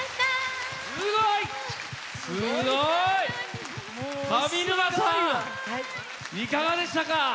すごい！上沼さん、いかがでしたか？